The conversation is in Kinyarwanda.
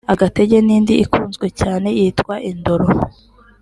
‘Agatege’ n’indi ikunzwe cyane yitwa ‘Indoro’